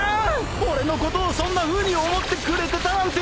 俺のことをそんなふうに思ってくれてたなんて！］